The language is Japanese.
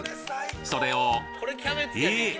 それをえっ！？